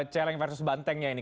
celeng versus bantengnya ini